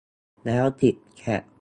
แล้วติดแท็ก